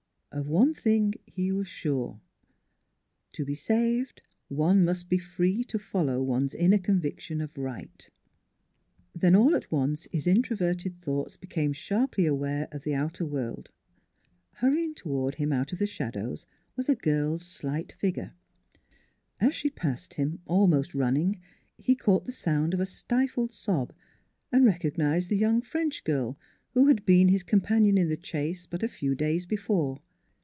Of one thing he was sure : to be " saved " one must be free to follow one's inner conviction of right. Then all at once his introverted thoughts be came sharply aware of the outer world. Hurry ing toward him out of the shadows was a girl's NEIGHBORS 217 slight figure. As she passed him, almost running, he caught the sound of a stifled sob, and recog nized the young French girl, who had been his companion in the chase, but a few days before.